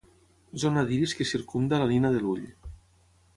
Zona d'iris que circumda la nina de l'ull.